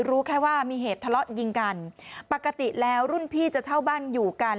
รู้แค่ว่ามีเหตุทะเลาะยิงกันปกติแล้วรุ่นพี่จะเช่าบ้านอยู่กัน